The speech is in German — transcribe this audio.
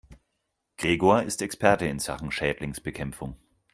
Gregor ist Experte in Sachen Schädlingsbekämpfung.